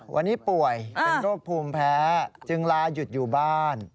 วันนี้ป่วยเป็นโรคภูมิแพ้จึงลาหยุดอยู่บ้าน